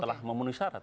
telah memenuhi syarat